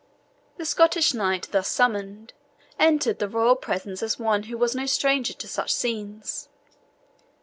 The Scottish knight, thus summoned, entered the royal presence as one who was no stranger to such scenes.